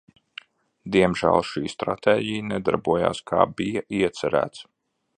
Diemžēl šī stratēģija nedarbojās, kā bija iecerēts.